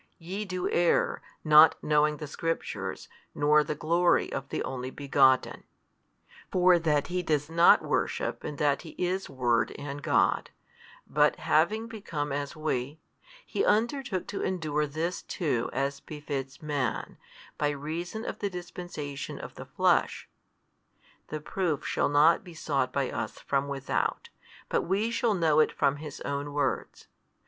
Ye do err, not knowing the Scriptures, nor the glory of the Only Begotten. For that He does not worship in that He is Word and God, but having become as we, He undertook to endure this too as befits man, by reason of the dispensation of the Flesh ; the proof shall not be sought by us from without, but we shall know it from His own Words.